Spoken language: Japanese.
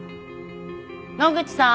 野口さん？